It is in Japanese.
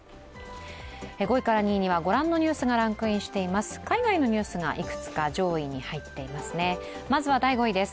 ５位から２位にはご覧のニュースがランクインしています